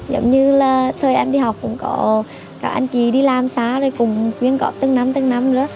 giống như là thời em đi học cũng có các anh chị đi làm xá rồi cũng chuyên góp từng năm từng năm